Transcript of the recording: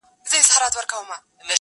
ښکلي سیمي لوی ښارونه یې سور اور کړ!